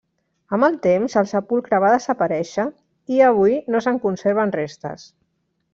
Amb el temps, el sepulcre va desaparèixer i avui no se’n conserven restes.